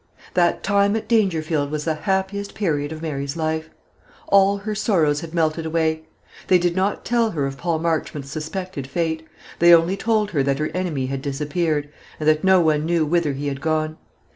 That time at Dangerfield was the happiest period of Mary's life. All her sorrows had melted away. They did not tell her of Paul Marchmont's suspected fate; they only told her that her enemy had disappeared, and that no one knew whither he had gone.